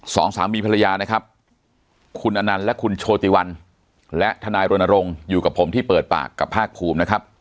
สองสามีภรรยานะครับคุณอนันต์และคุณโชติวันและทนายรณรงค์อยู่กับผมที่เปิดปากกับภาคภูมินะครับ